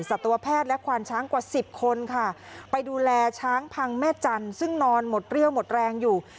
สัตวแพทย์และควานช้างกว่าสิบคนค่ะไปดูแลช้างพังแม่จันทร์ซึ่งนอนหมดเรี่ยวหมดแรงอยู่